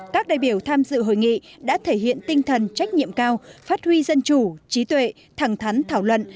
các đại biểu tham dự hội nghị đã thể hiện tinh thần trách nhiệm cao phát huy dân chủ trí tuệ thẳng thắn thảo luận